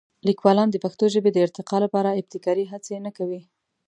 لیکوالان د پښتو ژبې د ارتقا لپاره ابتکاري هڅې نه کوي.